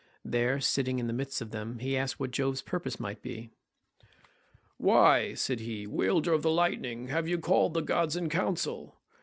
There, sitting in the midst of them, he asked what Jove's purpose might be. "Why," said he, "wielder of the lightning, have you called the gods in council?